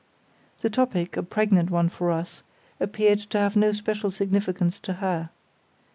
The topic, a pregnant one for us, appeared to have no special significance to her.